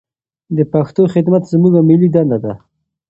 د پښتو خدمت زموږ ملي دنده ده.